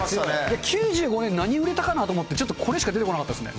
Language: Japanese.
９５年何売れたかなと思って、ちょっとこれしか出てこなかったですね。